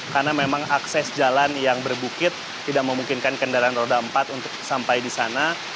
karena memang akses jalan yang berbukit tidak memungkinkan kendaraan roda empat untuk sampai di sana